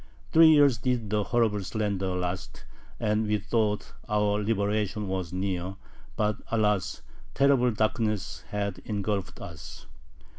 Three years did the horrible slander last, and we thought our liberation was near, but, alas, terrible darkness has engulfed us.